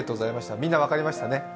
みんな分かりましたね。